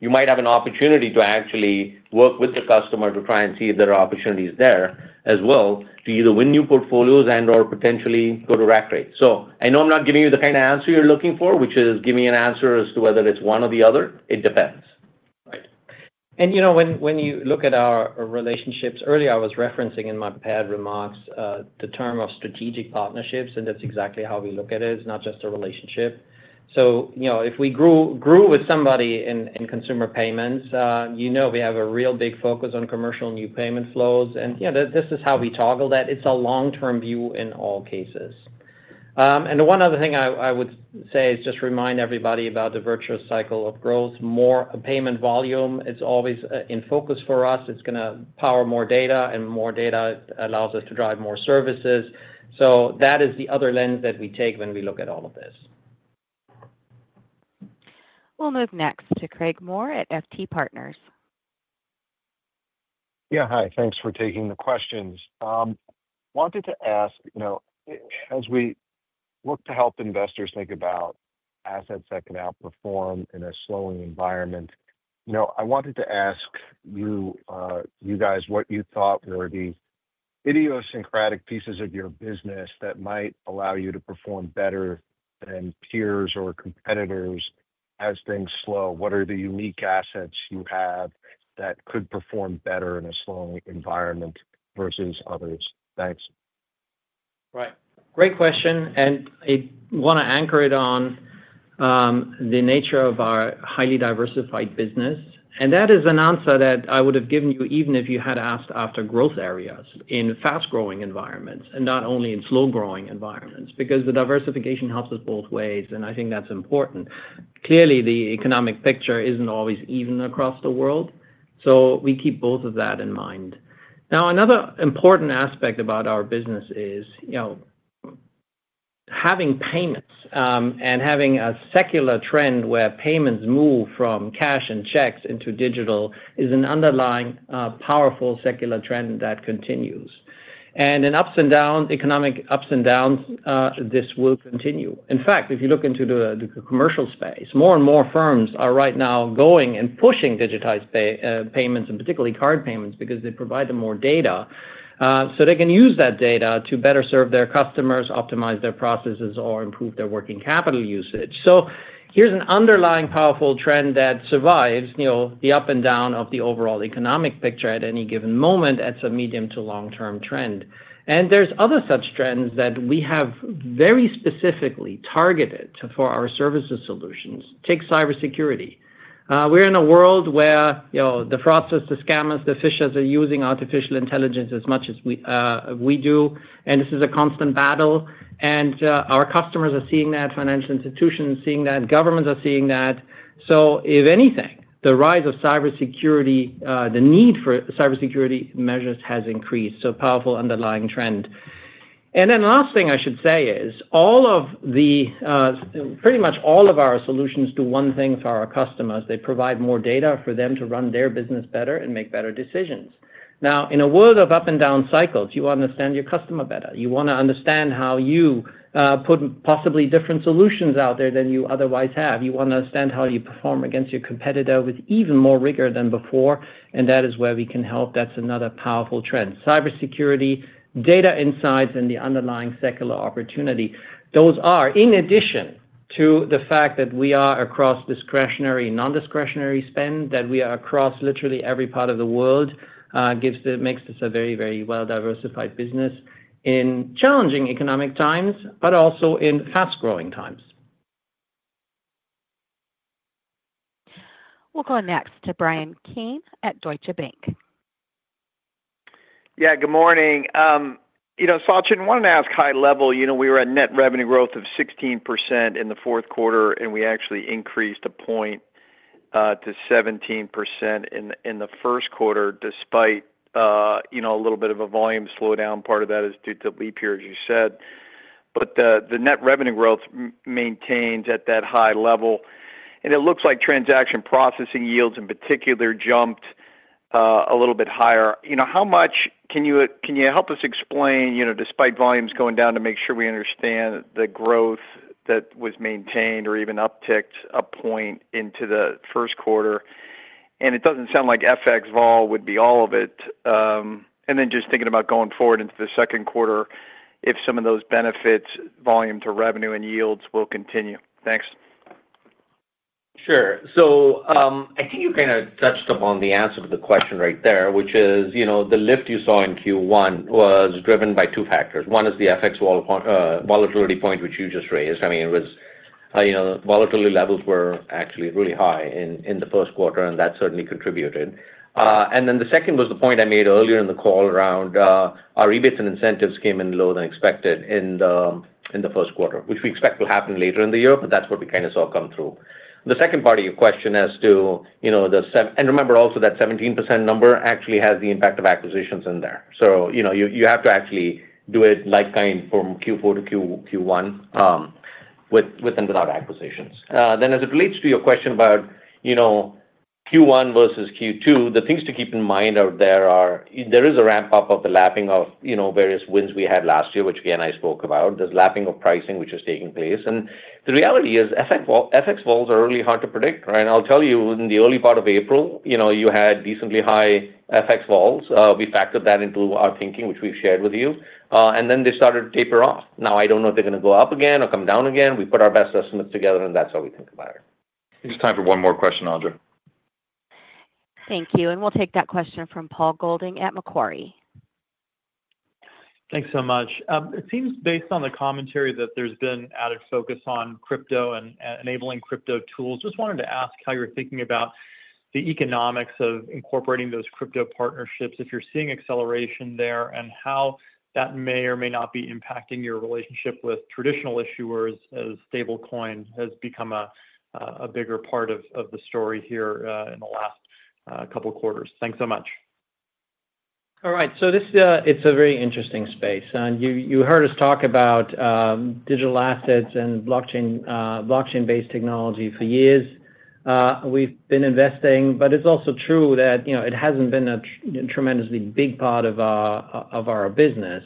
You might have an opportunity to actually work with the customer to try and see if there are opportunities there as well to either win new portfolios and/or potentially go to rack rate. I know I'm not giving you the kind of answer you're looking for, which is give me an answer as to whether it's one or the other. It depends. Right. When you look at our relationships, earlier I was referencing in my prepared remarks the term of strategic partnerships, and that's exactly how we look at it. It's not just a relationship. If we grew with somebody in consumer payments, we have a real big focus on commercial new payment flows. This is how we toggle that. It's a long-term view in all cases. One other thing I would say is just remind everybody about the virtuous cycle of growth. More payment volume is always in focus for us. It's going to power more data, and more data allows us to drive more services. That is the other lens that we take when we look at all of this. We'll move next to Craig Moore at FT Partners. Yeah. Hi. Thanks for taking the questions. Wanted to ask, as we look to help investors think about assets that can outperform in a slowing environment, I wanted to ask you guys what you thought were the idiosyncratic pieces of your business that might allow you to perform better than peers or competitors as things slow. What are the unique assets you have that could perform better in a slowing environment versus others? Thanks. Right. Great question. I want to anchor it on the nature of our highly diversified business. That is an answer that I would have given you even if you had asked after growth areas in fast-growing environments and not only in slow-growing environments because the diversification helps us both ways, and I think that's important. Clearly, the economic picture isn't always even across the world. We keep both of that in mind. Another important aspect about our business is having payments and having a secular trend where payments move from cash and checks into digital is an underlying powerful secular trend that continues. In ups and downs, economic ups and downs, this will continue. In fact, if you look into the commercial space, more and more firms are right now going and pushing digitized payments, and particularly card payments, because they provide them more data so they can use that data to better serve their customers, optimize their processes, or improve their working capital usage. Here is an underlying powerful trend that survives the up and down of the overall economic picture at any given moment. It is a medium to long-term trend. There are other such trends that we have very specifically targeted for our services solutions. Take cybersecurity. We are in a world where the fraudsters, the scammers, the phishers are using artificial intelligence as much as we do. This is a constant battle. Our customers are seeing that, financial institutions are seeing that, governments are seeing that. If anything, the rise of cybersecurity, the need for cybersecurity measures has increased. A powerful underlying trend. The last thing I should say is pretty much all of our solutions do one thing for our customers. They provide more data for them to run their business better and make better decisions. Now, in a world of up and down cycles, you want to understand your customer better. You want to understand how you put possibly different solutions out there than you otherwise have. You want to understand how you perform against your competitor with even more rigor than before. That is where we can help. That is another powerful trend. Cybersecurity, data insights, and the underlying secular opportunity. Those are, in addition to the fact that we are across discretionary and non-discretionary spend, that we are across literally every part of the world, what makes this a very, very well-diversified business in challenging economic times, but also in fast-growing times. We'll go next to Brian Kane at Deutsche Bank. Yeah. Good morning. Sachin, I wanted to ask high level, we were at net revenue growth of 16% in the fourth quarter, and we actually increased a point to 17% in theQ1 despite a little bit of a volume slowdown. Part of that is due to leap year, as you said. The net revenue growth maintains at that high level. It looks like transaction processing yields, in particular, jumped a little bit higher. How much can you help us explain, despite volumes going down, to make sure we understand the growth that was maintained or even upticked a point into theQ1? It does not sound like FX vol would be all of it. Just thinking about going forward into the Q2, if some of those benefits, volume to revenue and yields will continue. Thanks. Sure. I think you kind of touched upon the answer to the question right there, which is the lift you saw in Q1 was driven by two factors. One is the FX volatility point, which you just raised. I mean, volatility levels were actually really high in theQ1, and that certainly contributed. The second was the point I made earlier in the call around our rebates and incentives came in lower than expected in theQ1, which we expect will happen later in the year, but that's what we kind of saw come through. The second part of your question as to the and remember also that 17% number actually has the impact of acquisitions in there. You have to actually do it like kind from Q4 to Q1 with and without acquisitions. Then as it relates to your question about Q1 versus Q2, the things to keep in mind out there are there is a ramp-up of the lapping of various wins we had last year, which again, I spoke about. There is lapping of pricing which is taking place. The reality is FX vols are really hard to predict, right? I'll tell you, in the early part of April, you had decently high FX vols. We factored that into our thinking, which we've shared with you. They started to taper off. Now, I don't know if they're going to go up again or come down again. We put our best estimates together, and that's how we think about it. Just time for one more question, Andrew. Thank you. We'll take that question from Paul Golding at Macquarie. Thanks so much. It seems, based on the commentary that there's been added focus on crypto and enabling crypto tools, just wanted to ask how you're thinking about the economics of incorporating those crypto partnerships, if you're seeing acceleration there, and how that may or may not be impacting your relationship with traditional issuers as stablecoin has become a bigger part of the story here in the last couple of quarters. Thanks so much. All right. It's a very interesting space. You heard us talk about digital assets and blockchain-based technology for years. We've been investing, but it's also true that it hasn't been a tremendously big part of our business.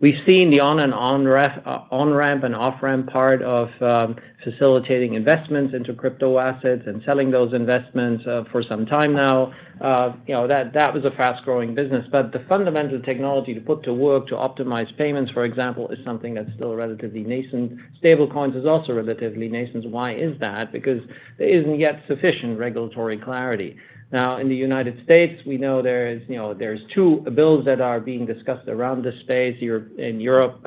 We've seen the on-ramp and off-ramp part of facilitating investments into crypto assets and selling those investments for some time now. That was a fast-growing business. The fundamental technology to put to work to optimize payments, for example, is something that's still relatively nascent. Stablecoins is also relatively nascent. Why is that? Because there isn't yet sufficient regulatory clarity. Now, in theUS, we know there's two bills that are being discussed around this space. In Europe,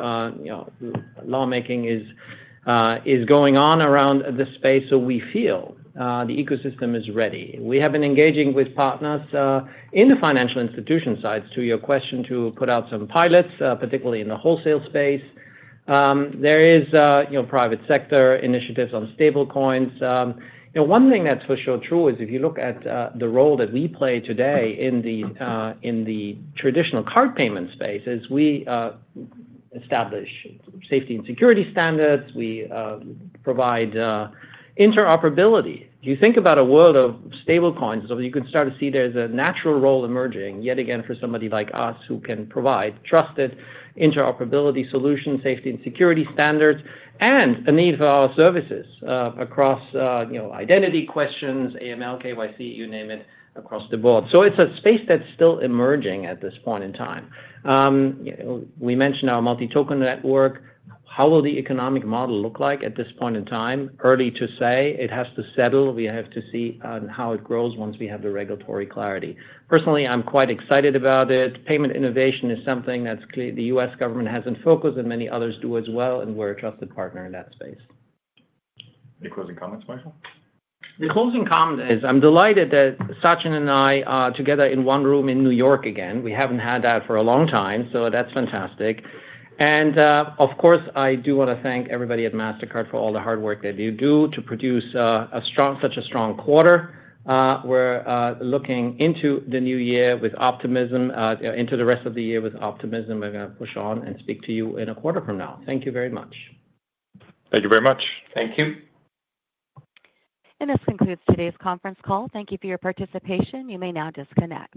lawmaking is going on around this space. We feel the ecosystem is ready. We have been engaging with partners in the financial institution sides, to your question, to put out some pilots, particularly in the wholesale space. There is private sector initiatives on stablecoins. One thing that's for sure true is if you look at the role that we play today in the traditional card payment space, we establish safety and security standards. We provide interoperability. If you think about a world of stablecoins, you can start to see there's a natural role emerging, yet again, for somebody like us who can provide trusted interoperability solutions, safety and security standards, and a need for our services across identity questions, AML, KYC, you name it, across the board. It is a space that's still emerging at this point in time. We mentioned our multi-token network. How will the economic model look like at this point in time? Early to say. It has to settle. We have to see how it grows once we have the regulatory clarity. Personally, I'm quite excited about it. Payment innovation is something that theUS government hasn't focused on, and many others do as well. We're a trusted partner in that space. Any closing comments, Michael? The closing comment is I'm delighted that Sachin and I are together in one room in New York again. We haven't had that for a long time. That's fantastic. Of course, I do want to thank everybody at Mastercard for all the hard work that you do to produce such a strong quarter. We're looking into the new year with optimism, into the rest of the year with optimism. We're going to push on and speak to you in a quarter from now. Thank you very much. Thank you very much. Thank you. This concludes today's conference call. Thank you for your participation. You may now disconnect.